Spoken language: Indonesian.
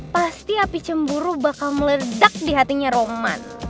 pasti api cemburu bakal meledak di hatinya rohman